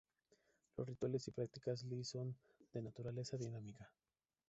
Los rituales y prácticas li son de naturaleza dinámica.